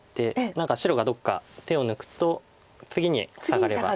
何か白がどっか手を抜くと次にサガれば。